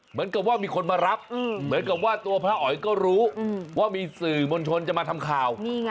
เหมือนกับว่ามีคนมารับเหมือนกับว่าตัวพระอ๋อยก็รู้ว่ามีสื่อมวลชนจะมาทำข่าว